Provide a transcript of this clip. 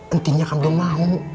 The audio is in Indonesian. entinya kamu belum mau